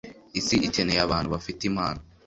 isi ikeneye abantu bafite impano